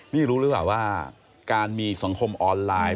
นี่รู้หรือเปล่าว่าการมีสังคมออนไลน์